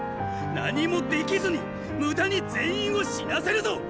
何もできずに無駄に全員を死なせるぞっ！